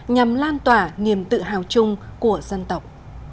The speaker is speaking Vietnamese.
nhằm lan tỏa niềm tự hào chung của dân tộc